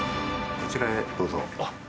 こちらへどうぞ。